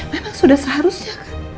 memang sudah seharusnya kan